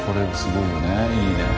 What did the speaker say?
いいね。